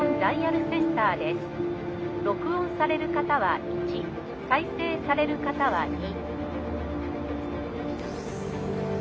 録音される方は１再生される方は２」。